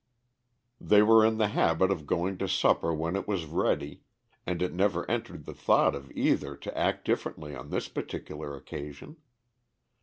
They were in the habit of going to supper when it was ready, and it never entered the thought of either to act differently on this particular occasion.